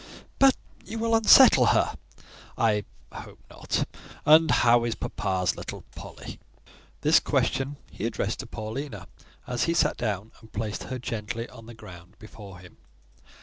"But you will unsettle her." "I hope not. And how is papa's little Polly?" This question he addressed to Paulina, as he sat down and placed her gently on the ground before him.